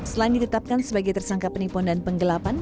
selain ditetapkan sebagai tersangka penipuan dan penggelapan